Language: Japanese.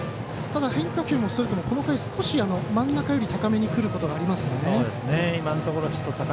ただ変化球もストレートもこの回、少し真ん中より高めにくることがありますね。